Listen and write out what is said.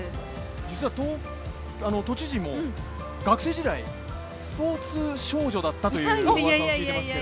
実は都知事も学生時代、スポーツ少女だったというおうわさを聞いていますけど。